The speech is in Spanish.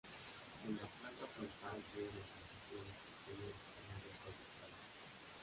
En la placa frontal, se hallan el registro de instrucciones y el decodificador.